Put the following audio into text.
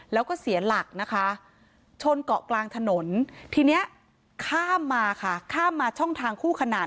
แล้วก็เสียหลักชนเกาะกลางถนนทีนี้ข้ามมาช่องทางคู่ขนาน